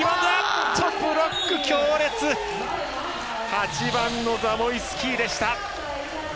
８番のザモイスキーでした。